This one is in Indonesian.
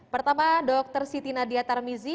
pertama dr siti nadia tarmizi